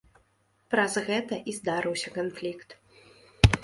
Праз гэта і здарыўся канфлікт.